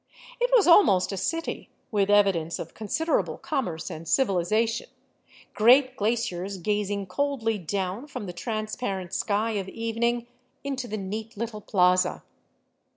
It was almost a city, with evidence of consider able commerce and civilization, great glaciers gazing coldly down from the transparent sky of evening into the neat little plaza.